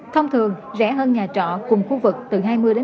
thông thường rẻ hơn nhà trọ cùng khu vực từ hai mươi ba mươi